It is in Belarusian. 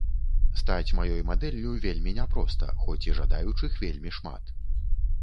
Стаць маёй мадэллю вельмі няпроста, хоць і жадаючых вельмі шмат.